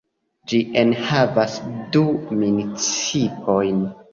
Ĝi enhavas du municipojn.